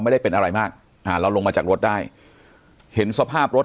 ไม่ได้เป็นอะไรมากอ่าเราลงมาจากรถได้เห็นสภาพรถ